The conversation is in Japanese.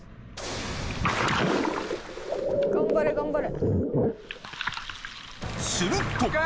頑張れ頑張れ。